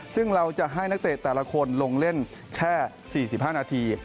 ซึ่งเราจะให้นักเตะแต่ละคนลงเล่นแค่๔๕นาที